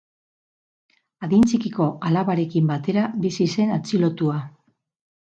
Adin txikiko alabarekin batera bizi zen atxilotua.